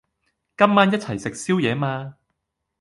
今晚一齊食宵夜嗎？